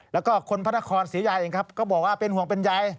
แล้วก็คนพระนครศรียาเองครับก็บอกว่าเป็นห่วงเป็นใย